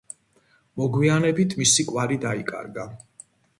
მოგვიანებით მისი კვალი დაიკარგა.